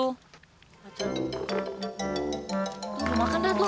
tuh makan dah tuh